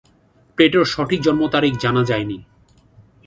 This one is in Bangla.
প্লেটোর সঠিক জন্ম তারিখ জানা যায়নি।